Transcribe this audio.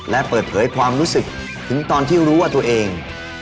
และเปิดเผยความรู้สึกถึงตอนที่รู้ว่าตัวเอง